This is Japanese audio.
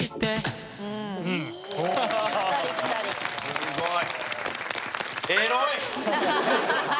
すごい。